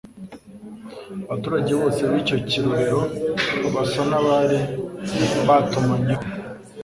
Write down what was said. Abaturage bose b'icyo kirorero basa n'abari batumanyeho